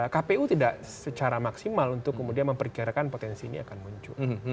kpu tidak secara maksimal untuk kemudian memperkirakan potensi ini akan muncul